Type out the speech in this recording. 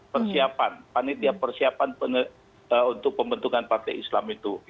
persiapan panitia persiapan untuk pembentukan partai islam itu